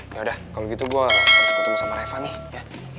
yaudah kalau gitu gue harus ketemu sama reva nih